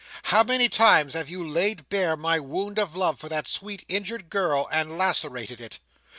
How many times have you laid bare my wound of love for that sweet, injured girl and lacerated it?